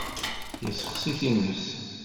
Yessexsi times.